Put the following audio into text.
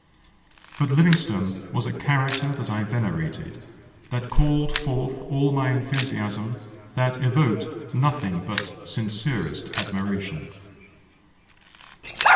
But Livingstone was a character that I venerated, that called forth all my enthusiasm, that evoked nothing but sincerest admiration.